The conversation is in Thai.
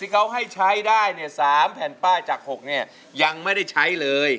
เขาให้ใช้ได้เนี่ย๓แผ่นป้ายจาก๖เนี่ยยังไม่ได้ใช้เลย